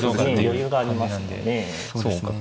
余裕がありますのでね。